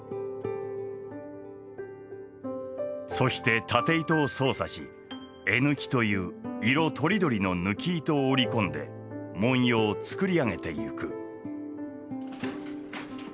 そして経糸を操作し絵緯という色とりどりの緯糸を織り込んで文様を作り上げてゆく。